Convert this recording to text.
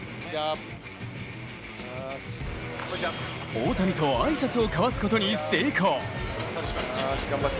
大谷と挨拶を交わすことに成功。